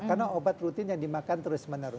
karena obat rutin yang dimakan terus menerus